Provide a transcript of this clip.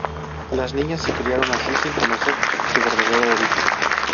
Las niñas se criaron así sin conocer su verdadero origen.